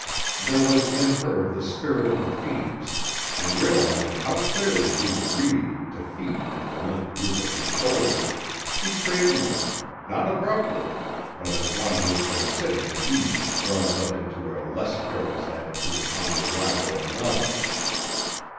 There was in her the spirit of the Phoenix, and realizing how clearly he would read defeat in the limp droop of her shoulders, she straightened them, not abruptly, but as one who has been sitting at ease draws up into a less careless attitude upon the arrival of another.